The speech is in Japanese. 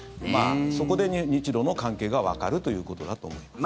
そこで日ロの関係がわかるということだと思います。